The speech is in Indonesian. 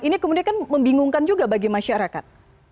ini kemudian kan membingungkan juga bagi masyarakat